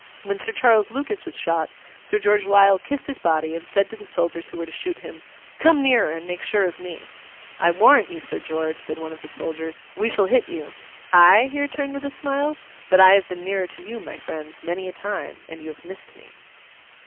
When Sir Charles Lucas was shot, Sir George Lisle kissed his body, and said to the soldiers who were to shoot him, 'Come nearer, and make sure of me.' 'I warrant you, Sir George,' said one of the soldiers, 'we shall hit you.' 'Ay?' he returned with a smile, 'but I have been nearer to you, my friends, many a time, and you have missed me.